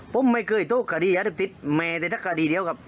ผมไม่เคยโตข้าดียาเรียบทิศแม่แต่ทักข้าดีเดียวกับ